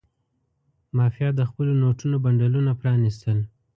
مافیا د خپلو نوټونو بنډلونه پرانستل.